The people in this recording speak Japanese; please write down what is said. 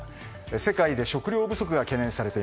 世界で食糧不足が懸念され